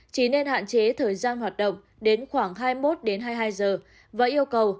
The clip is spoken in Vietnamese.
chỉ nên hạn chế thời gian hoạt động đến khoảng hai mươi một đến hai mươi hai giờ và yêu cầu